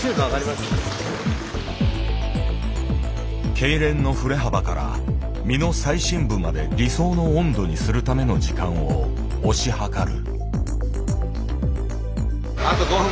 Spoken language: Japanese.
痙攣の振れ幅から身の最深部まで理想の温度にするための時間を推し量る。